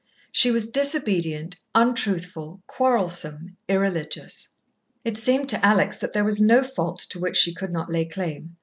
She was disobedient, untruthful, quarrelsome, irreligious. It seemed to Alex that there was no fault to which she could not lay claim.